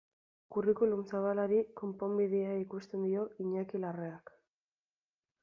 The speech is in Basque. Curriculum zabalari konponbidea ikusten dio Iñaki Larreak.